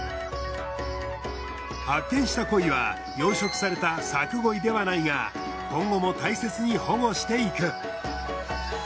発見したコイは養殖された佐久鯉ではないが今後も大切に保護していく。